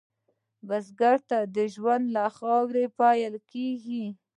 بزګر ته ژوند له خاورې پیل کېږي